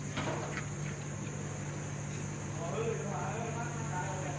ไม่ต้องให้ส่องใหญ่อยู่